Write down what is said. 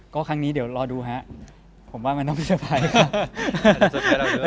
ก็ครั้งนี้เดี๋ยวรอดูฮะผมว่ามันต้องมีเซอร์ไพรส์ครับ